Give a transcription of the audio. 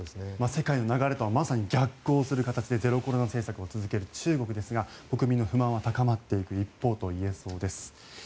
世界の流れとは、まさに逆行する形でゼロコロナ政策を続ける中国ですが国民の不満は高まっている一方といえそうです。